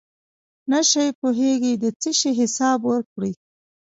نشی پوهېږي د څه شي حساب ورکړي.